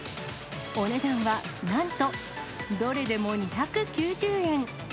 お値段はなんと、どれでも２９０円。